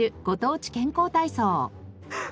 ご当地健康体操。